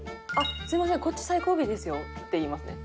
「すみませんこっち最後尾ですよ」って言いますね。